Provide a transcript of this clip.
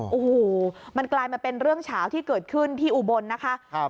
โอ้โหมันกลายมาเป็นเรื่องเฉาที่เกิดขึ้นที่อุบลนะคะครับ